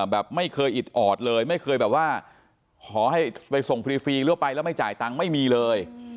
แบบไม่เคยอิดออดเลยไม่เคยแบบว่าขอให้ไปส่งฟรีหรือไปแล้วไม่จ่ายตังค์ไม่มีเลย